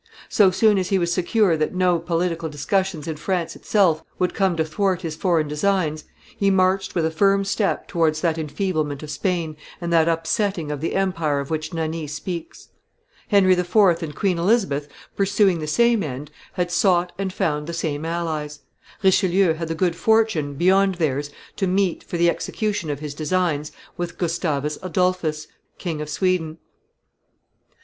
So soon as he was secure that no political discussions in France itself would come to thwart his foreign designs, he marched with a firm step towards that enfeeblement of Spain and that upsetting of the empire of which Nani speaks. Henry IV. and Queen Elizabeth, pursuing the same end, had sought and found the same allies: Richelieu had the good fortune, beyond theirs, to meet, for the execution of his designs, with Gustavus Adolphus, King of Sweden.